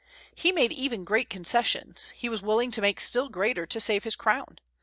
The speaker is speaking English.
He made even great concessions; he was willing to make still greater to save his crown.